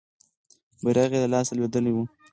بیرغ یې له لاسه لوېدلی وو.